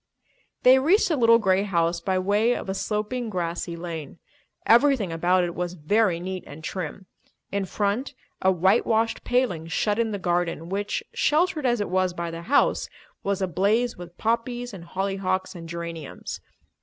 They reached the little grey house by way of a sloping, grassy lane. Everything about it was very neat and trim. In front a white washed paling shut in the garden which, sheltered as it was by the house, was ablaze with poppies and hollyhocks and geraniums.